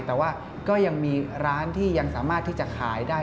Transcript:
แต่ว่าก็ยังมีร้านที่ยังสามารถที่จะขายได้